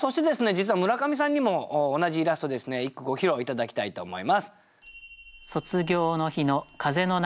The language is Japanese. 実は村上さんにも同じイラストで一句ご披露頂きたいと思います。